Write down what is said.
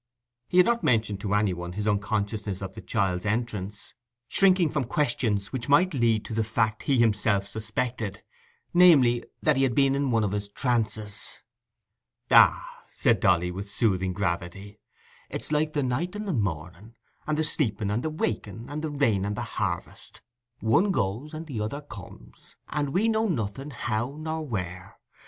He had not mentioned to any one his unconsciousness of the child's entrance, shrinking from questions which might lead to the fact he himself suspected—namely, that he had been in one of his trances. "Ah," said Dolly, with soothing gravity, "it's like the night and the morning, and the sleeping and the waking, and the rain and the harvest—one goes and the other comes, and we know nothing how nor where.